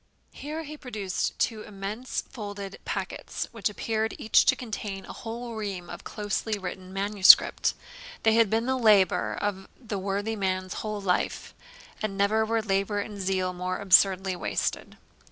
Here he produced two immense folded packets, which appeared each to contain a whole ream of closely written manuscript. They had been the labour of the worthy man's whole life; and never were labour and zeal more absurdly wasted.